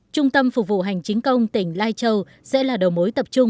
trung tâm phục vụ hành chính công tỉnh lai châu sẽ là đầu mối tập trung